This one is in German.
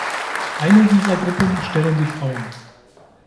Eine dieser Gruppen stellen die Frauen.